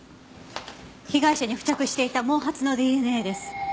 被害者に付着していた毛髪のＤＮＡです。